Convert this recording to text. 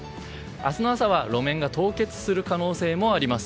明日の朝は路面が凍結する可能性もあります。